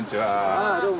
ああどうも。